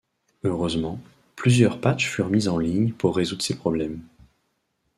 Heureusement, plusieurs patchs furent mis en ligne pour résoudre ces problèmes.